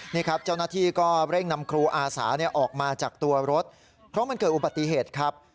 นี่ครับเจ้าหน้าที่ก็เร่งนำครูอาสาออกมาจากตัวรถเพราะมันเกิดอุบัติเหตุครับ